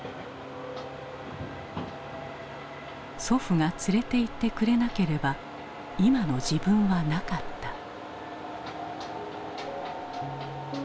祖父が連れていってくれなければ今の自分はなかった。